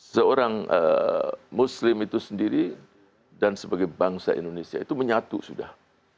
seorang muslim itu sendiri dan sebagai bangsa indonesia itu menyatu sudah